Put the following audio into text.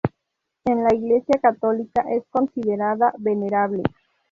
En la Iglesia católica es considerada venerable.